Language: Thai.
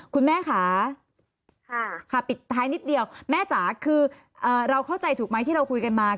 คุณแม่ค่ะค่ะปิดท้ายนิดเดียวแม่จ๋าคือเราเข้าใจถูกไหมที่เราคุยกันมา